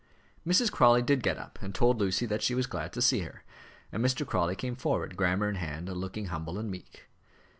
Mrs. Crawley did get up, and told Lucy that she was glad to see her, and Mr. Crawley came forward, grammar in hand, looking humble and meek.